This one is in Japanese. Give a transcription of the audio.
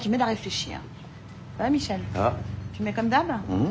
うん。